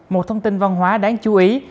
một thông tin văn hóa đáng chú ý